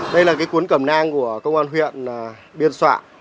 đây là cái cuốn cầm nang của công an huyện biên xoạng